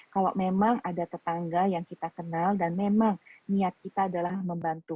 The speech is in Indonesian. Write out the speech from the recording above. kalau memang ada tetangga yang kita kenal dan memang niat kita adalah membantu